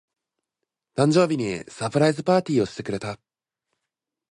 誕生日にサプライズパーティーをしてくれた。